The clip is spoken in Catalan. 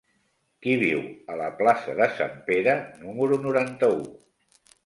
Qui viu a la plaça de Sant Pere número noranta-u?